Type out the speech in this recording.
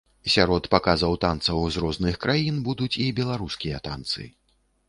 Сярод паказаў танцаў з розных краін будуць і беларускія танцы.